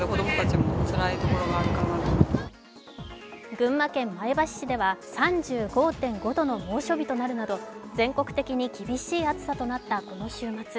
群馬県前橋市では３５．５度の猛暑日となるなど全国的に厳しい暑さとなったこの週末。